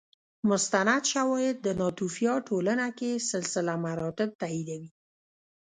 مستند شواهد د ناتوفیا ټولنه کې سلسله مراتب تاییدوي